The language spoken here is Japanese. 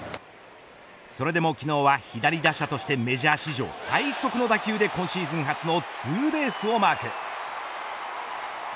それでも昨日は左打者としてメジャー史上最速の打球で今シーズン初のツーベースをマーク。